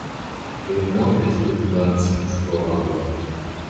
Li mortis dum dancinstruado.